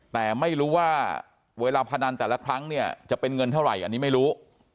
แต่ไม่รู้ว่าเวลาพนันแต่ละครั้งเนี่ยจะเป็นเงินเท่าไหร่อันนี้ไม่รู้